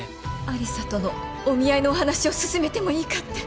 有沙とのお見合いの話を進めてもいいかって。